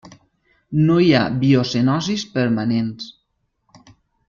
No hi ha biocenosis permanents.